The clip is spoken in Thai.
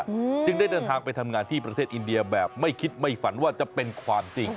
อืมจึงได้เดินทางไปทำงานที่ประเทศอินเดียแบบไม่คิดไม่ฝันว่าจะเป็นความจริง